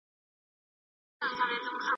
څوک چي نه لري دا دواړه بختور دی